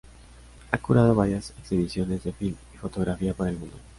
Ha curado varias exhibiciones de film y fotografía por el mundo.